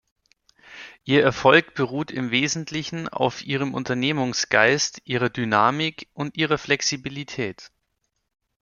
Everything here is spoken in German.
Ihr Erfolg beruht im wesentlichen auf ihrem Unternehmungsgeist, ihrer Dynamik und ihrer Flexibilität.